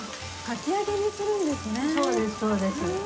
そうですそうです。